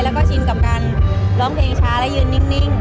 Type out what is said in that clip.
แล้วก็ชินกับการร้องเพลงช้าและยืนนิ่ง